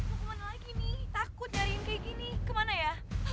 aku kemana lagi nih takut nyariin kayak gini kemana ya